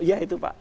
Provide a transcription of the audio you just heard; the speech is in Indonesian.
ya itu pak